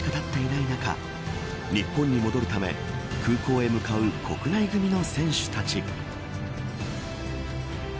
試合後の会見から５時間ほどしかたっていない中日本に戻るため、空港へ向かう国内組の選手たち。